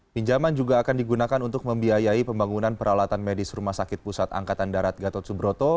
pinjaman juga akan digunakan untuk membiayai pembangunan peralatan medis rumah sakit pusat angkatan darat gatot subroto